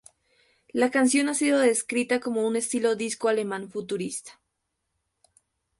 La canción ha sido descrita como de un estilo disco alemán futurista.